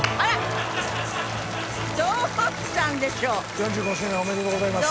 ４５周年おめでとうございます。